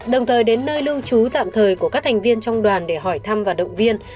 đồng thời đến nơi lưu trú tạm thời của các thành viên trong đoàn để hỏi thăm và động viên